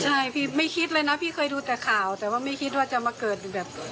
ใช่พี่ไม่คิดเลยนะพี่เคยดูแต่ข่าวแต่ว่าไม่คิดว่าจะมาเกิดแบบ